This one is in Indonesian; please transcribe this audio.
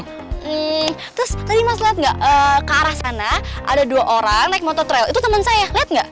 hmm terus tadi mas lihat nggak ke arah sana ada dua orang naik motor trail itu temen saya lihat nggak